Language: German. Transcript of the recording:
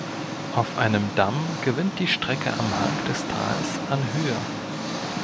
Auf einem Damm gewinnt die Strecke am Hang des Tals an Höhe.